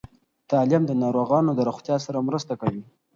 تعلیم د ناروغانو د روغتیا سره مرسته کوي.